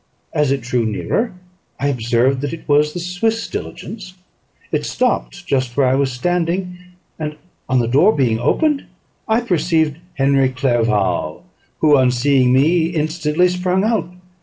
As it drew nearer, I observed that it was the Swiss diligence: it stopped just where I was standing; and, on the door being opened, I perceived Henry Clerval, who, on seeing me, instantly sprung out.